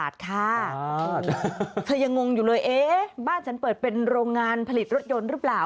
เธอยังงงอยู่เลยเอ๊ะบ้านฉันเปิดเป็นโรงงานผลิตรถยนต์หรือเปล่า